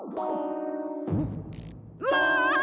うわ！